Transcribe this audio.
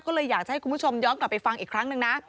ก็เลยอยากจะให้คุณผู้ชมย้อนกลับไปฟังอีกครั้งหนึ่งนะ